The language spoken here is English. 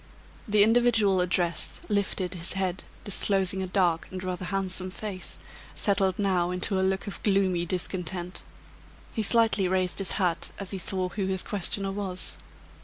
The individual addressed lifted his head, disclosing a dark and rather handsome face, settled now into a look of gloomy discontent. He slightly raised his hat as he saw who his questioner was.